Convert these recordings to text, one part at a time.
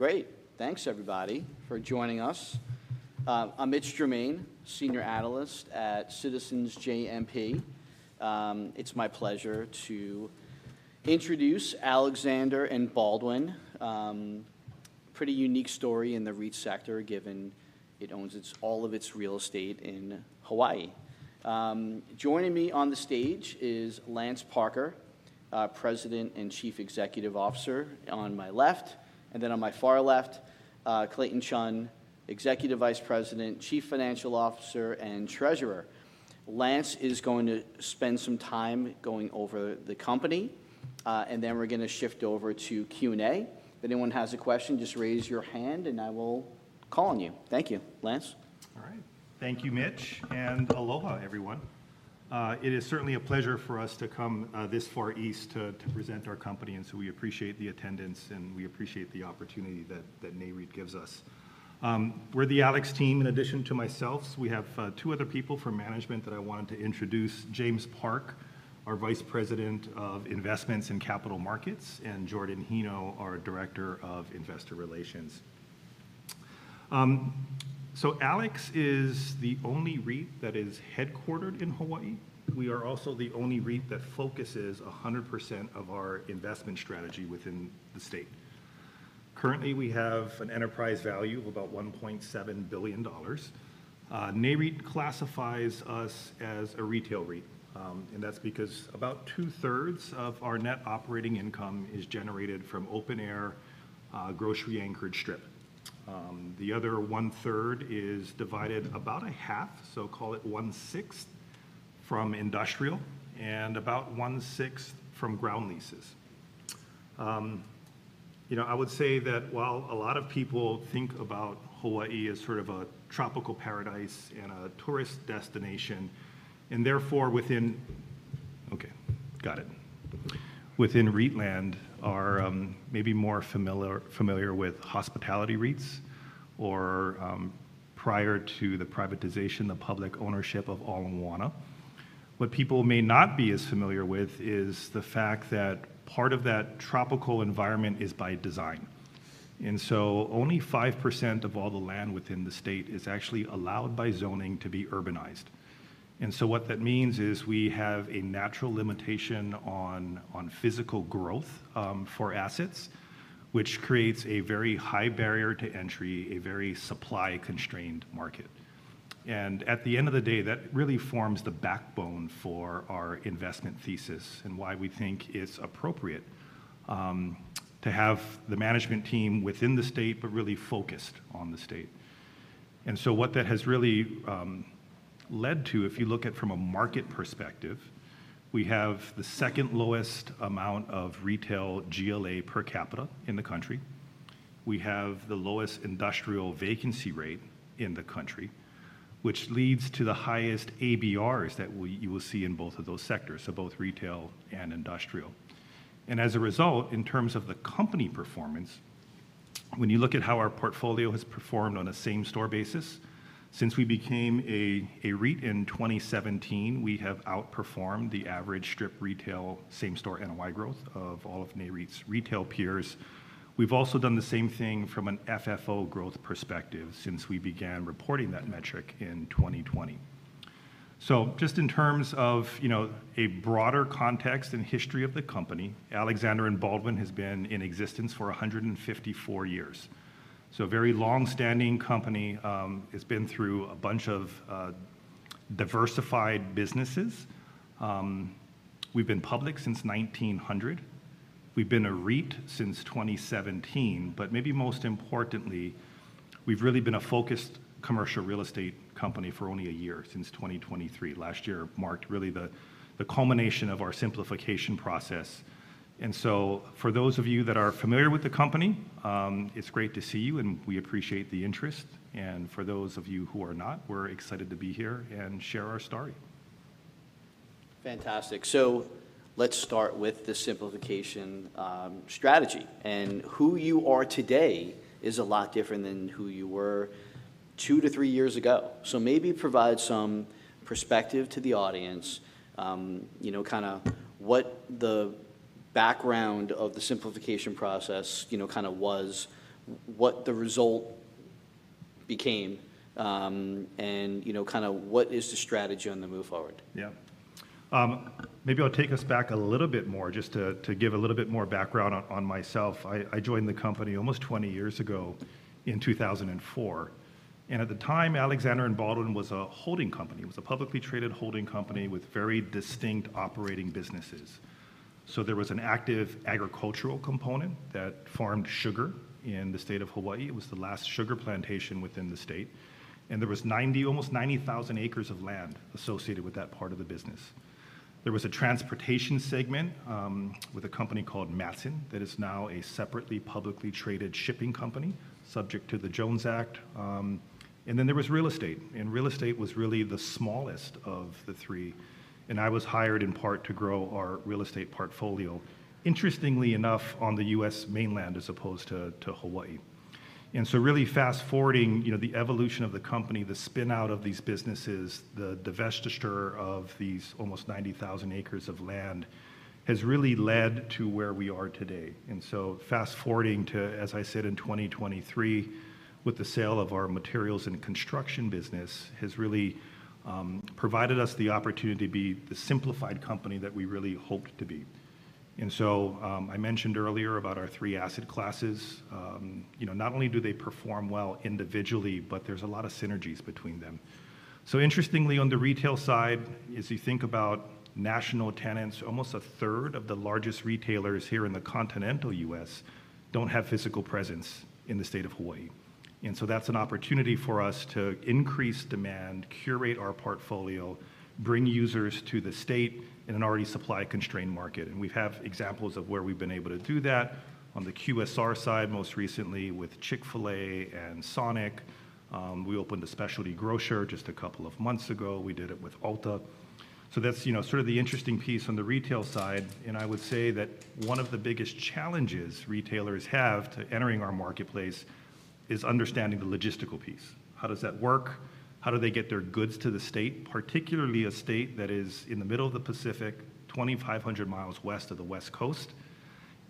Great! Thanks, everybody, for joining us. I'm Mitch Germain, senior analyst at Citizens JMP. It's my pleasure to introduce Alexander & Baldwin. Pretty unique story in the REIT sector, given it owns its, all of its real estate in Hawaii. Joining me on the stage is Lance Parker, President and Chief Executive Officer, on my left, and then on my far left, Clayton Chun, Executive Vice President, Chief Financial Officer, and Treasurer. Lance is going to spend some time going over the company, and then we're going to shift over to Q&A. If anyone has a question, just raise your hand and I will call on you. Thank you. Lance? All right. Thank you, Mitch, and aloha, everyone. It is certainly a pleasure for us to come this far east to present our company, and so we appreciate the attendance, and we appreciate the opportunity that Nareit gives us. We're the Alex team. In addition to myself, we have two other people from management that I wanted to introduce: James Park, our Vice President of Investments and Capital Markets, and Jordan Hino, our Director of Investor Relations. So Alex is the only REIT that is headquartered in Hawaii. We are also the only REIT that focuses 100% of our investment strategy within the state. Currently, we have an enterprise value of about $1.7 billion. Nareit classifies us as a retail REIT, and that's because about two-thirds of our net operating income is generated from open-air grocery-anchored strip. The other one-third is divided about a half, so call it one-sixth from industrial and about one-sixth from ground leases. You know, I would say that while a lot of people think about Hawaii as sort of a tropical paradise and a tourist destination, and therefore within REIT land are maybe more familiar with hospitality REITs or, prior to the privatization, the public ownership of Ala Moana. What people may not be as familiar with is the fact that part of that tropical environment is by design, and so only 5% of all the land within the state is actually allowed by zoning to be urbanized. What that means is we have a natural limitation on physical growth for assets, which creates a very high barrier to entry, a very supply-constrained market. At the end of the day, that really forms the backbone for our investment thesis and why we think it's appropriate to have the management team within the state, but really focused on the state. What that has really led to, if you look at from a market perspective, we have the second lowest amount of retail GLA per capita in the country. We have the lowest industrial vacancy rate in the country, which leads to the highest ABRs that you will see in both of those sectors, so both retail and industrial. As a result, in terms of the company performance, when you look at how our portfolio has performed on a same-store basis, since we became a REIT in 2017, we have outperformed the average strip retail same-store NOI growth of all of Nareit's retail peers. We've also done the same thing from an FFO growth perspective since we began reporting that metric in 2020. So just in terms of, you know, a broader context and history of the company, Alexander & Baldwin has been in existence for 154 years. So a very long-standing company, it's been through a bunch of diversified businesses. We've been public since 1900. We've been a REIT since 2017, but maybe most importantly, we've really been a focused commercial real estate company for only a year, since 2023. Last year marked really the culmination of our simplification process. And so for those of you that are familiar with the company, it's great to see you, and we appreciate the interest, and for those of you who are not, we're excited to be here and share our story. Fantastic. So let's start with the simplification strategy. And who you are today is a lot different than who you were 2-3 years ago. So maybe provide some perspective to the audience, you know, kind of what the background of the simplification process, you know, kind of was, what the result became, and you know, kind of what is the strategy on the move forward? Yeah. Maybe I'll take us back a little bit more just to give a little bit more background on myself. I joined the company almost 20 years ago in 2004, and at the time, Alexander & Baldwin was a holding company. It was a publicly traded holding company with very distinct operating businesses. So there was an active agricultural component that farmed sugar in the state of Hawaii. It was the last sugar plantation within the state, and there was 90, almost 90,000 acres of land associated with that part of the business. There was a transportation segment with a company called Matson that is now a separately publicly traded shipping company, subject to the Jones Act. And then there was real estate, and real estate was really the smallest of the three, and I was hired in part to grow our real estate portfolio, interestingly enough, on the U.S. mainland as opposed to Hawaii. And so really fast forwarding, you know, the evolution of the company, the spin out of these businesses, the divestiture of these almost 90,000 acres of land, has really led to where we are today. And so fast-forwarding to, as I said, in 2023, with the sale of our materials and construction business, has really provided us the opportunity to be the simplified company that we really hoped to be. And so, I mentioned earlier about our three asset classes. You know, not only do they perform well individually, but there's a lot of synergies between them. So interestingly, on the retail side, as you think about national tenants, almost a third of the largest retailers here in the continental US don't have physical presence in the state of Hawaii. And so that's an opportunity for us to increase demand, curate our portfolio, bring users to the state in an already supply-constrained market. And we have examples of where we've been able to do that. On the QSR side, most recently with Chick-fil-A and Sonic. We opened a specialty grocer just a couple of months ago. We did it with Ulta. So that's, you know, sort of the interesting piece on the retail side, and I would say that one of the biggest challenges retailers have to entering our marketplace is understanding the logistical piece. How does that work? How do they get their goods to the state, particularly a state that is in the middle of the Pacific, 2,500 miles west of the West Coast,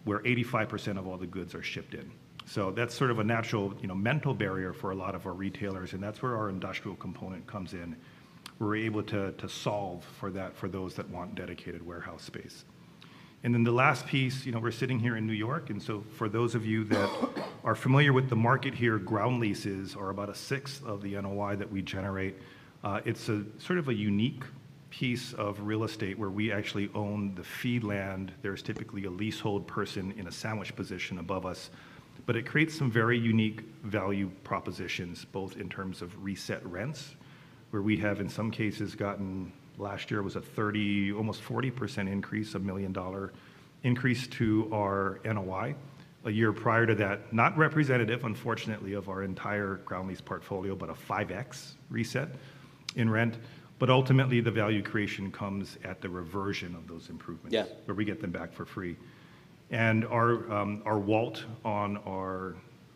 where 85% of all the goods are shipped in? So that's sort of a natural, you know, mental barrier for a lot of our retailers, and that's where our industrial component comes in. We're able to solve for that for those that want dedicated warehouse space. And then the last piece, you know, we're sitting here in New York, and so for those of you that are familiar with the market here, ground leases are about a sixth of the NOI that we generate. It's a sort of a unique piece of real estate where we actually own the fee land. There's typically a leasehold person in a sandwich position above us, but it creates some very unique value propositions, both in terms of reset rents, where we have, in some cases, gotten last year was a 30, almost 40% increase, a $1 million increase to our NOI. A year prior to that, not representative, unfortunately, of our entire ground lease portfolio, but a 5x reset in rent. But ultimately, the value creation comes at the reversion of those improvements. Yeah Where we get them back for free. And our WALT on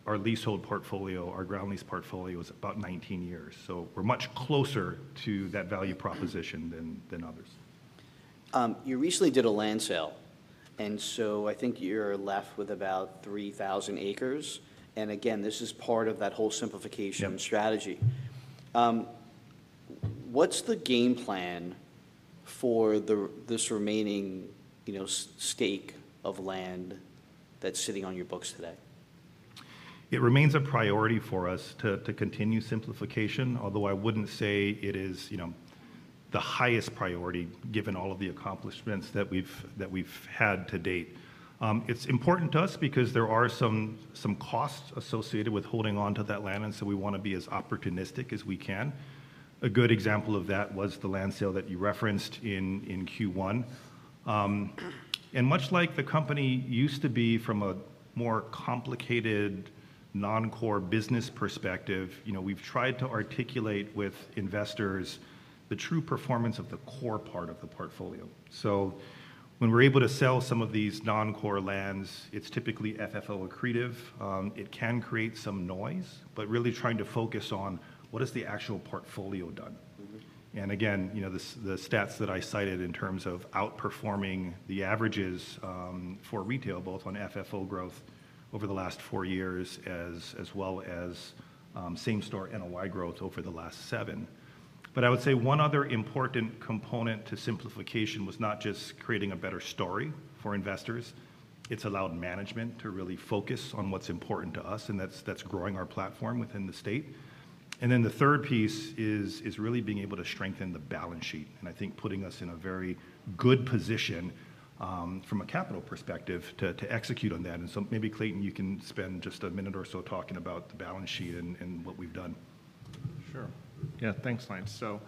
our leasehold portfolio, our ground lease portfolio is about 19 years, so we're much closer to that value proposition than others. You recently did a land sale, and so I think you're left with about 3,000 acres. And again, this is part of that whole simplification-strategy. What's the game plan for the, this remaining, you know, stake of land that's sitting on your books today? It remains a priority for us to continue simplification, although I wouldn't say it is, you know, the highest priority, given all of the accomplishments that we've had to date. It's important to us because there are some costs associated with holding on to that land, and so we want to be as opportunistic as we can. A good example of that was the land sale that you referenced in Q1. Much like the company used to be from a more complicated, non-core business perspective, you know, we've tried to articulate with investors the true performance of the core part of the portfolio. So when we're able to sell some of these non-core lands, it's typically FFO accretive. It can create some noise, but really trying to focus on what has the actual portfolio done. Mm-hmm. And again, you know, the stats that I cited in terms of outperforming the averages for retail, both on FFO growth over the last four years, as well as same-store NOI growth over the last seven. But I would say one other important component to simplification was not just creating a better story for investors. It's allowed management to really focus on what's important to us, and that's growing our platform within the state. And then the third piece is really being able to strengthen the balance sheet, and I think putting us in a very good position from a capital perspective to execute on that. And so maybe, Clayton, you can spend just a minute or so talking about the balance sheet and what we've done. Sure. Yeah, thanks, Lance. So,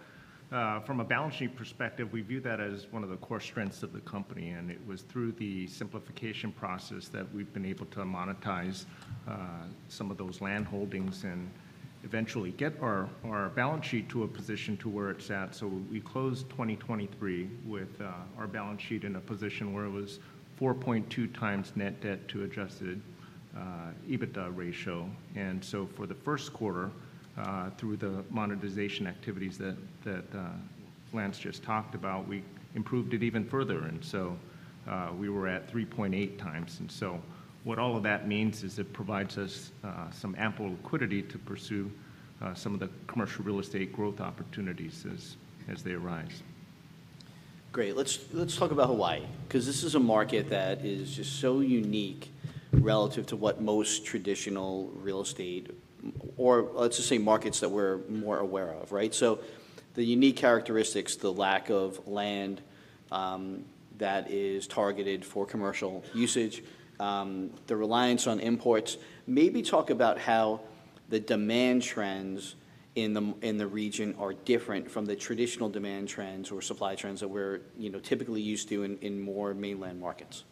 from a balance sheet perspective, we view that as one of the core strengths of the company, and it was through the simplification process that we've been able to monetize some of those land holdings and eventually get our balance sheet to a position to where it's at. So we closed 2023 with our balance sheet in a position where it was 4.2x net debt to adjusted EBITDA ratio. And so for the first quarter, through the monetization activities that Lance just talked about, we improved it even further, and so we were at 3.8x. And so what all of that means is it provides us some ample liquidity to pursue some of the commercial real estate growth opportunities as they arise. Great. Let's, let's talk about Hawaii, 'cause this is a market that is just so unique relative to what most traditional real estate, or let's just say markets that we're more aware of, right? So the unique characteristics, the lack of land, that is targeted for commercial usage, the reliance on imports, maybe talk about how the demand trends in the, in the region are different from the traditional demand trends or supply trends that we're, you know, typically used to in, in more mainland markets.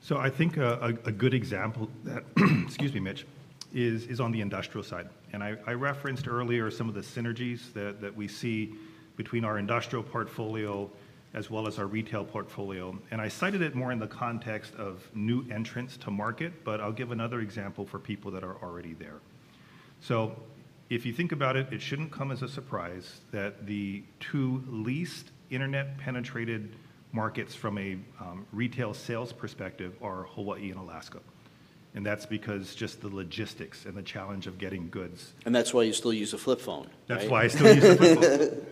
So I think a good example that... Excuse me, Mitch... is on the industrial side. And I referenced earlier some of the synergies that we see between our industrial portfolio as well as our retail portfolio, and I cited it more in the context of new entrants to market, but I'll give another example for people that are already there. So if you think about it, it shouldn't come as a surprise that the two least internet-penetrated markets from a retail sales perspective are Hawaii and Alaska. And that's because just the logistics and the challenge of getting goods. That's why you still use a flip phone, right? That's why I still use a flip phone.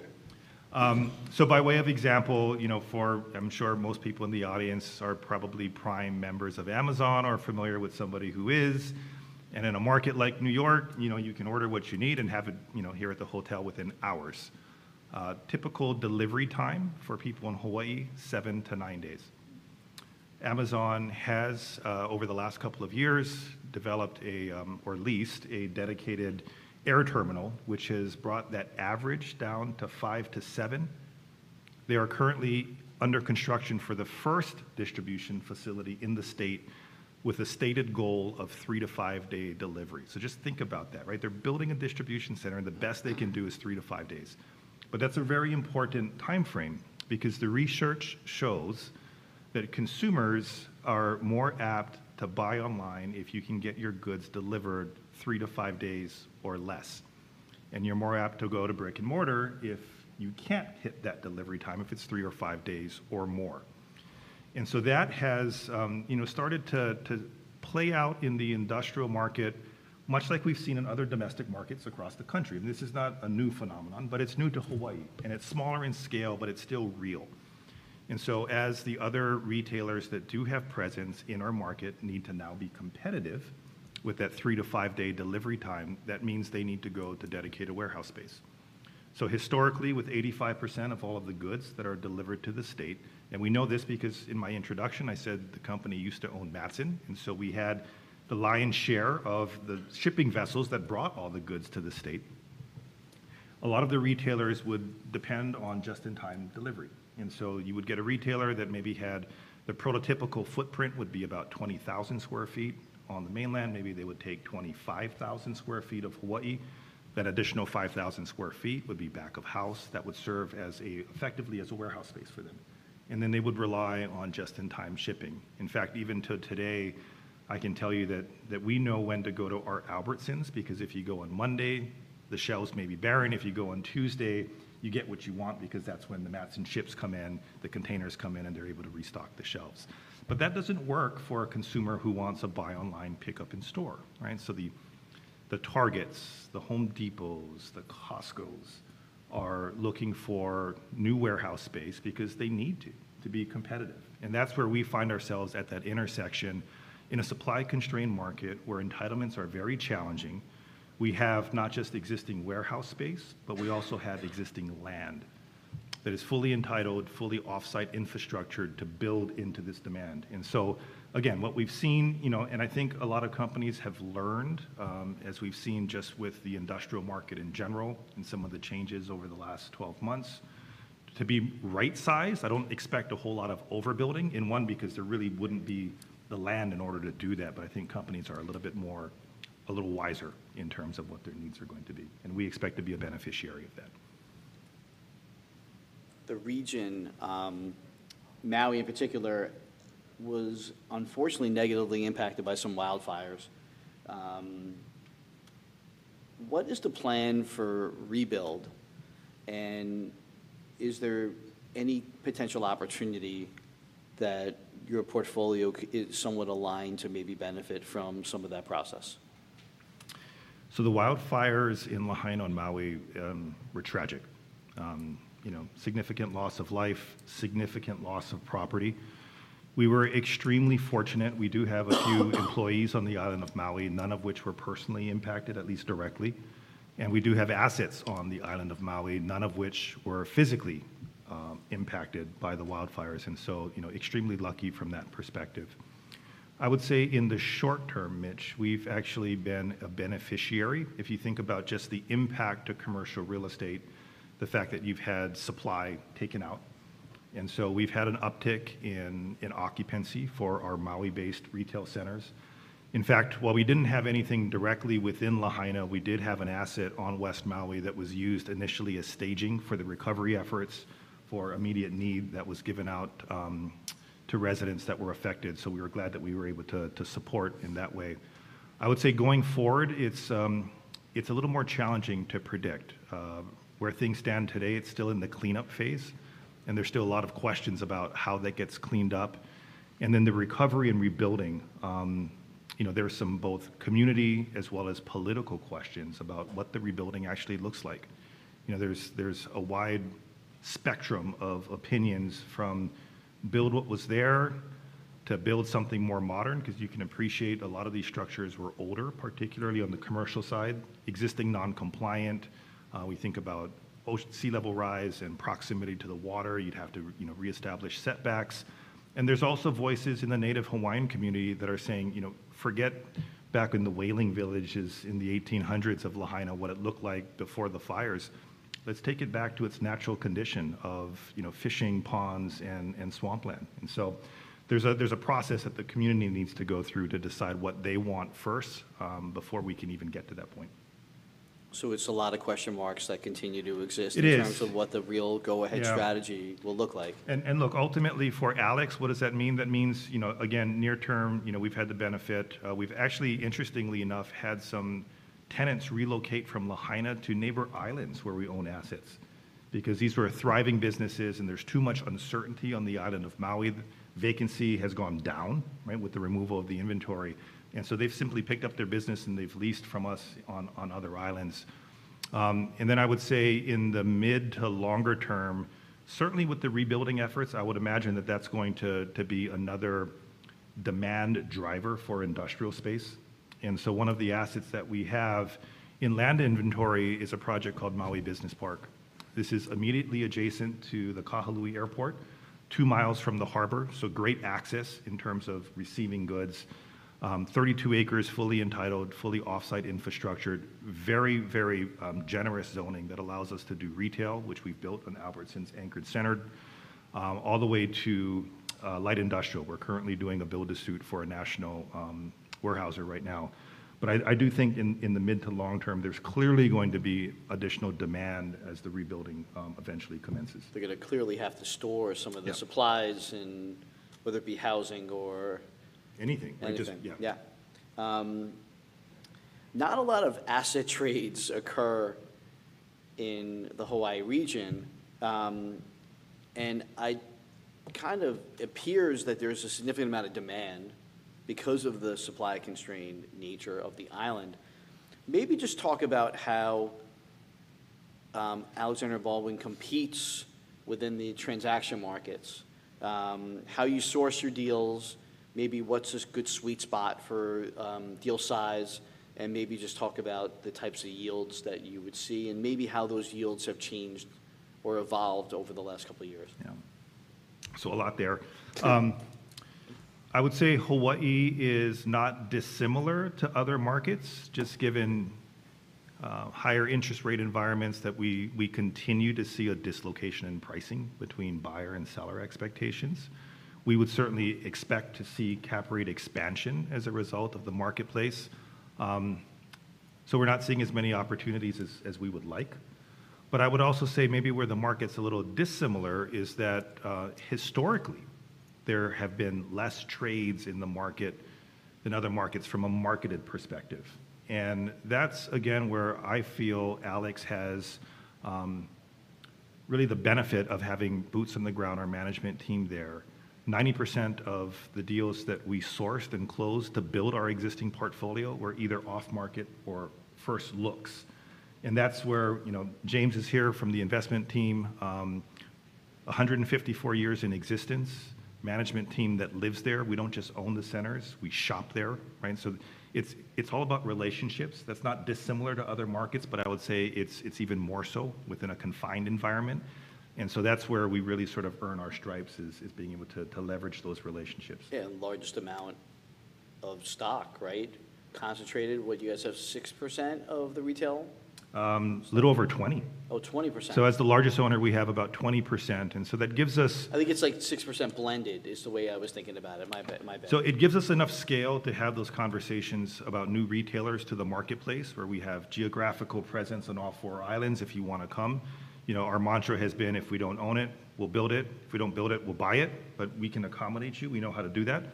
So by way of example, you know, for-- I'm sure most people in the audience are probably Prime members of Amazon or familiar with somebody who is. And in a market like New York, you know, you can order what you need and have it, you know, here at the hotel within hours. Typical delivery time for people in Hawaii, 7-9 days. Amazon has, over the last couple of years, developed a, or leased a dedicated air terminal, which has brought that average down to 5-7. They are currently under construction for the first distribution facility in the state, with a stated goal of 3-5-day delivery. So just think about that, right? They're building a distribution center, and the best they can do is 3-5 days. But that's a very important timeframe because the research shows that consumers are more apt to buy online if you can get your goods delivered 3-5 days or less, and you're more apt to go to brick-and-mortar if you can't hit that delivery time, if it's 3 or 5 days or more. And so that has, you know, started to play out in the industrial market, much like we've seen in other domestic markets across the country. And this is not a new phenomenon, but it's new to Hawaii, and it's smaller in scale, but it's still real. And so as the other retailers that do have presence in our market need to now be competitive with that 3- to 5-day delivery time, that means they need to go to dedicated warehouse space. So historically, with 85% of all of the goods that are delivered to the state, and we know this because in my introduction, I said the company used to own Matson, and so we had the lion's share of the shipping vessels that brought all the goods to the state. A lot of the retailers would depend on just-in-time delivery, and so you would get a retailer that maybe had the prototypical footprint would be about 20,000 sq ft on the mainland. Maybe they would take 25,000 sq ft of Hawaii. That additional 5,000 sq ft would be back of house. That would serve as a, effectively as a warehouse space for them, and then they would rely on just-in-time shipping. In fact, even to today, I can tell you that, that we know when to go to our Albertsons, because if you go on Monday, the shelves may be barren. If you go on Tuesday, you get what you want because that's when the Matson ships come in, the containers come in, and they're able to restock the shelves. But that doesn't work for a consumer who wants a buy online, pickup in store, right? So the, the Targets, the Home Depots, the Costcos are looking for new warehouse space because they need to, to be competitive. And that's where we find ourselves at that intersection. In a supply-constrained market where entitlements are very challenging, we have not just existing warehouse space, but we also have existing land that is fully entitled, fully off-site infrastructured to build into this demand. So, again, what we've seen, you know, and I think a lot of companies have learned, as we've seen just with the industrial market in general and some of the changes over the last 12 months, to be right-sized. I don't expect a whole lot of overbuilding, in one, because there really wouldn't be the land in order to do that. But I think companies are a little bit more... a little wiser in terms of what their needs are going to be, and we expect to be a beneficiary of that. The region, Maui in particular, was unfortunately negatively impacted by some wildfires. What is the plan for rebuild, and is there any potential opportunity that your portfolio is somewhat aligned to maybe benefit from some of that process? So the wildfires in Lahaina on Maui were tragic. You know, significant loss of life, significant loss of property. We were extremely fortunate. We do have a few employees on the island of Maui, none of which were personally impacted, at least directly. And we do have assets on the island of Maui, none of which were physically impacted by the wildfires, and so, you know, extremely lucky from that perspective. I would say in the short term, Mitch, we've actually been a beneficiary. If you think about just the impact to commercial real estate, the fact that you've had supply taken out, and so we've had an uptick in occupancy for our Maui-based retail centers. In fact, while we didn't have anything directly within Lahaina, we did have an asset on West Maui that was used initially as staging for the recovery efforts for immediate need that was given out to residents that were affected, so we were glad that we were able to support in that way. I would say going forward, it's a little more challenging to predict. Where things stand today, it's still in the cleanup phase, and there's still a lot of questions about how that gets cleaned up. And then the recovery and rebuilding, you know, there are some both community as well as political questions about what the rebuilding actually looks like. You know, there's a wide spectrum of opinions from build what was there to build something more modern, 'cause you can appreciate a lot of these structures were older, particularly on the commercial side, existing non-compliant. We think about ocean sea level rise and proximity to the water. You'd have to, you know, reestablish setbacks. And there's also voices in the native Hawaiian community that are saying, you know, "Forget back in the whaling villages in the 1800s of Lahaina, what it looked like before the fires." Let's take it back to its natural condition of, you know, fishing ponds and swampland. And so there's a process that the community needs to go through to decide what they want first, before we can even get to that point. It's a lot of question marks that continue to exist- It is in terms of what the real go-ahead strategy Yeah will look like. Look, ultimately for Alex, what does that mean? That means, you know, again, near term, you know, we've had the benefit... We've actually, interestingly enough, had some tenants relocate from Lahaina to neighbor islands where we own assets. Because these were thriving businesses, and there's too much uncertainty on the island of Maui. Vacancy has gone down, right, with the removal of the inventory, and so they've simply picked up their business, and they've leased from us on, on other islands. And then I would say in the mid to longer term, certainly with the rebuilding efforts, I would imagine that that's going to, to be another demand driver for industrial space. And so one of the assets that we have in land inventory is a project called Maui Business Park. This is immediately adjacent to the Kahului Airport, two miles from the harbor, so great access in terms of receiving goods. Thirty-two acres, fully entitled, fully off-site infrastructured. Very, very, generous zoning that allows us to do retail, which we've built an Albertsons anchored center, all the way to light industrial. We're currently doing a build-to-suit for a national warehouser right now. But I do think in the mid to long term, there's clearly going to be additional demand as the rebuilding eventually commences. They're gonna clearly have to store some of the- Yeah... supplies in, whether it be housing or- Anything... anything. Like just, yeah. Yeah. Not a lot of asset trades occur in the Hawaii region, and kind of appears that there's a significant amount of demand because of the supply-constrained nature of the island. Maybe just talk about how, Alexander & Baldwin competes within the transaction markets, how you source your deals, maybe what's a good sweet spot for, deal size, and maybe just talk about the types of yields that you would see, and maybe how those yields have changed or evolved over the last couple of years. Yeah. So a lot there. I would say Hawaii is not dissimilar to other markets, just given, higher interest rate environments that we, we continue to see a dislocation in pricing between buyer and seller expectations. We would certainly expect to see cap rate expansion as a result of the marketplace. So we're not seeing as many opportunities as, as we would like. But I would also say maybe where the market's a little dissimilar is that, historically, there have been less trades in the market than other markets from a marketed perspective. And that's, again, where I feel Alex has, really the benefit of having boots on the ground, our management team there. 90% of the deals that we sourced and closed to build our existing portfolio were either off-market or first looks, and that's where... You know, James is here from the investment team. 154 years in existence, management team that lives there. We don't just own the centers, we shop there, right? So it's all about relationships. That's not dissimilar to other markets, but I would say it's even more so within a confined environment, and so that's where we really sort of earn our stripes, is being able to leverage those relationships. Yeah, largest amount of stock, right? Concentrated, what, you guys have 6% of the retail? A little over 20. Oh, 20%. So as the largest owner, we have about 20%, and so that gives us- I think it's, like, 6% blended, is the way I was thinking about it. My bad. So it gives us enough scale to have those conversations about new retailers to the marketplace, where we have geographical presence on all four islands if you wanna come. You know, our mantra has been: If we don't own it, we'll build it. If we don't build it, we'll buy it, but we can accommodate you. We know how to do that.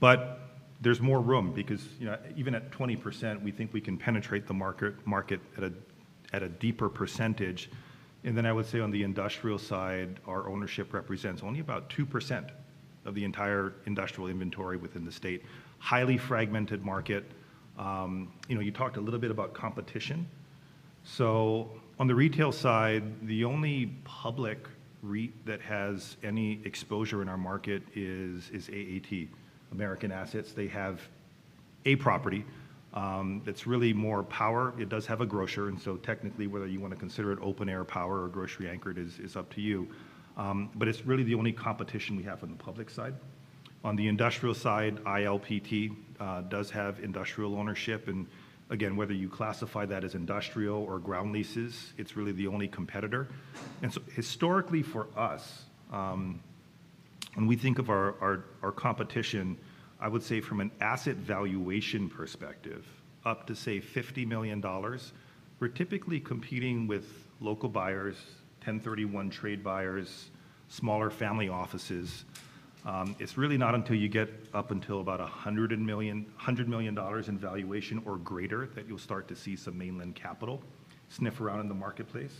But there's more room because, you know, even at 20%, we think we can penetrate the market at a deeper percentage. And then I would say on the industrial side, our ownership represents only about 2% of the entire industrial inventory within the state. Highly fragmented market. You know, you talked a little bit about competition. So on the retail side, the only public REIT that has any exposure in our market is AAT, American Assets. They have a property that's really more power. It does have a grocer, and so technically, whether you wanna consider it open-air power or grocery-anchored is up to you. But it's really the only competition we have on the public side. On the industrial side, ILPT does have industrial ownership, and again, whether you classify that as industrial or ground leases, it's really the only competitor. And so historically for us, when we think of our competition, I would say from an asset valuation perspective, up to, say, $50 million, we're typically competing with local buyers, 1031 trade buyers, smaller family offices. It's really not until you get up until about $100 million, $100 million dollars in valuation or greater, that you'll start to see some mainland capital sniff around in the marketplace.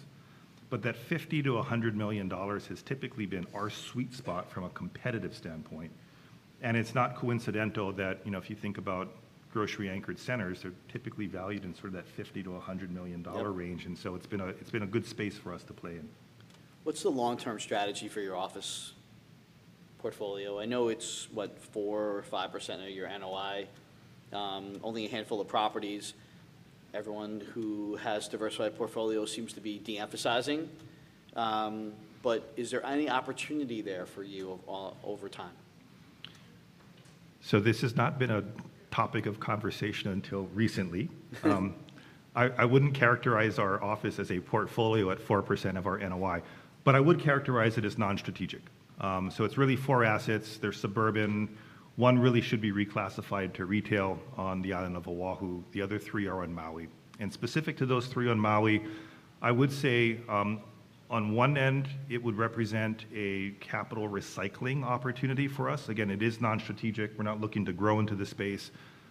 But that $50-$100 million has typically been our sweet spot from a competitive standpoint. And it's not coincidental that, you know, if you think about grocery-anchored centers, they're typically valued in sort of that $50-$100 million range. And so it's been a good space for us to play in. What's the long-term strategy for your office portfolio? I know it's, what, 4% or 5% of your NOI. Only a handful of properties. Everyone who has diversified portfolio seems to be de-emphasizing, but is there any opportunity there for you or over time? So this has not been a topic of conversation until recently. I wouldn't characterize our office as a portfolio at 4% of our NOI, but I would characterize it as non-strategic. So it's really four assets. They're suburban. One really should be reclassified to retail on the island of Oahu. The other three are on Maui. And specific to those three on Maui, I would say, on one end, it would represent a capital recycling opportunity for us. Again, it is non-strategic. We're not looking to grow into the space.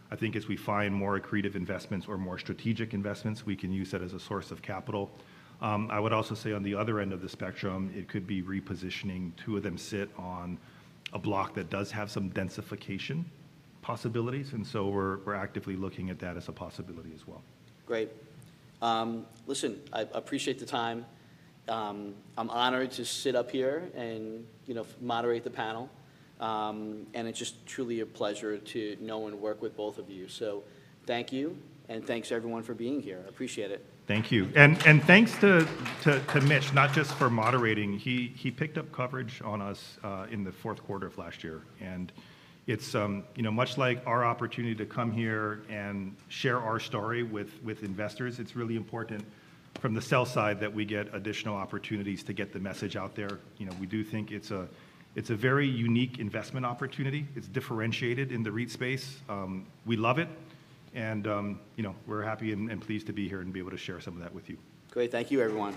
I think as we find more accretive investments or more strategic investments, we can use that as a source of capital. I would also say on the other end of the spectrum, it could be repositioning. Two of them sit on a block that does have some densification possibilities, and so we're actively looking at that as a possibility as well. Great. Listen, I appreciate the time. I'm honored to sit up here and, you know, moderate the panel. And it's just truly a pleasure to know and work with both of you. So thank you, and thanks, everyone, for being here. I appreciate it. Thank you. Thanks to Mitch, not just for moderating. He picked up coverage on us in the fourth quarter of last year, and it's you know, much like our opportunity to come here and share our story with investors, it's really important from the sell side that we get additional opportunities to get the message out there. You know, we do think it's a very unique investment opportunity. It's differentiated in the REIT space. We love it, and you know, we're happy and pleased to be here and be able to share some of that with you. Great. Thank you, everyone.